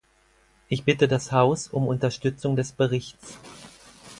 Ich bitte das Haus um Unterstützung des Berichts.